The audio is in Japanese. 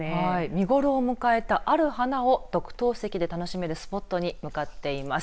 見頃を迎えたある花を特等席で楽しめるスポットに向かっています。